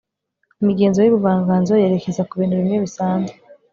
imigenzo yubuvanganzo yerekeza kubintu bimwe bisanzwe